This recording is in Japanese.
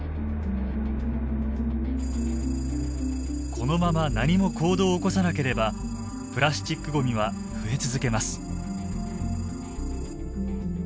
このまま何も行動を起こさなければプラスチックごみは増え続けます。